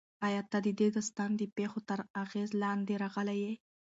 ایا ته د دې داستان د پېښو تر اغېز لاندې راغلی یې؟